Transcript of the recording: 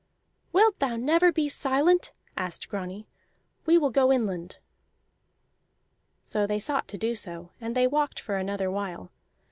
"Wilt thou never be silent?" asked Grani. "We will go inland." So they sought to do so, and they walked for another while.